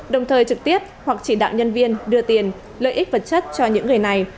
đồng thời trực tiếp hoặc chỉ đạo nhân viên đưa tiền lợi ích vật chất cho những người này